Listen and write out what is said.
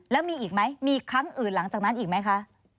แล้วมีอีกไหมมีครั้งอื่นหลังจากนั้นอีกไหมคะ